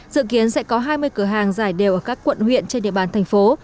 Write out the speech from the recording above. dự kiến sẽ có hai mươi cửa hàng giải đều ở các quận huyện trên địa bàn thành phố